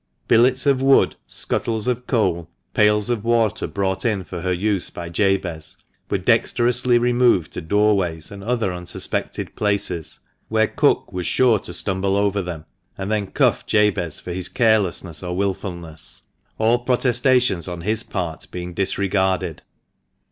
Billets of wood, scuttles of coal, pails of water brought in for her use by Jabez, were dexterously removed to doorways and other unsuspected places, where " cook " was sure to stumble over them, and then cuff Jabez for his carelessness or wilfulness, all protestations on his part being disregarded.